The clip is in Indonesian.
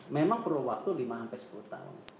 memang perlu waktu lima sampai sepuluh tahun